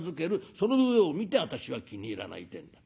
その上を見て私は気に入らないってえんだ。